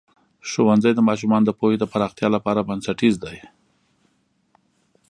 ښوونځی د ماشومانو د پوهې د پراختیا لپاره بنسټیز دی.